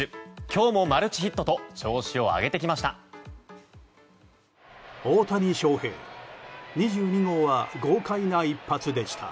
今日もマルチヒットと調子を上げてきました。